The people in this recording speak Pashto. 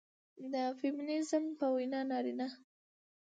د فيمينزم په وينا نارينه